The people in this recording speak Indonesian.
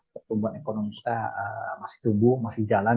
pertumbuhan ekonomi kita masih tumbuh masih jalan